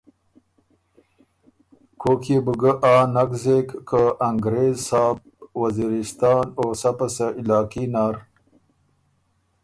کوک يې بو ګۀ آ نک زېک که انګرېز صاحب وزیرستان او سۀ پسۀ علاقي نر